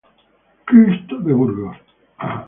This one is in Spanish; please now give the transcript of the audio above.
Cristo de Burgos.